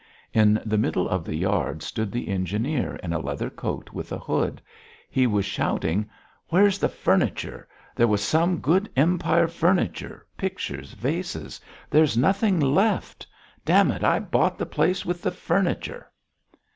In the middle of the yard stood the engineer in a leather coat with a hood. He was shouting: "Where's the furniture? There was some good Empire furniture, pictures, vases. There's nothing left! Damn it, I bought the place with the furniture!"